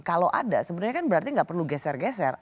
kalau ada sebenarnya kan berarti nggak perlu geser geser